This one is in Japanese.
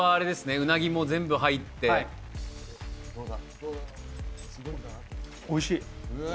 うなぎも全部入ってはいうわ